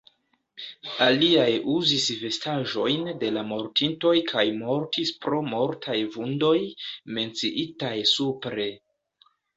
Aliaj uzis vestaĵojn de la mortintoj kaj mortis pro mortaj vundoj, menciitaj supre.